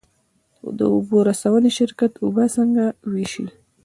د اوبو رسونې شرکت اوبه څنګه ویشي؟